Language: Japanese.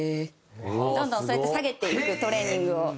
どんどんそうやって下げていくトレーニングをしていきます。